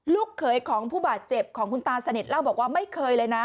ลูกเขยของผู้บาดเจ็บของคุณตาสนิทเล่าบอกว่าไม่เคยเลยนะ